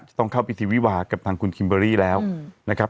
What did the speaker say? ต้องเข้าพิธีวิวากับทางคุณคิมเบอรี่แล้วนะครับ